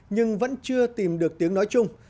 nhưng vẫn chưa tìm được tiếng nói chung